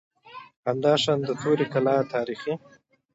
همداشان د توري کلا تاریخي